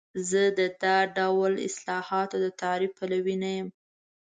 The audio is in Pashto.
زه د دا ډول اصطلاحاتو د تعریف پلوی نه یم.